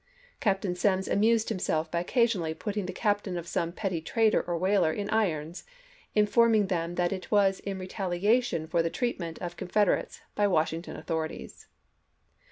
Captain Semmes amused himself by occasionally putting the captain of some petty trader or whaler in irons, informing them that it was in retaliation 56 ABRAHAM LINCOLN Chap. III. f or the treatment of Confederates by the Washing ton authorities.